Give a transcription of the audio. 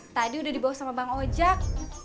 tadi udah dibawa sama bang ojek